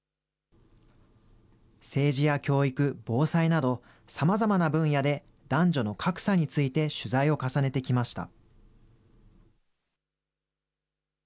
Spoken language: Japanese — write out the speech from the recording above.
政治や教育、防災など、さまざまな分野で男女の格差について取材を重ねてきました。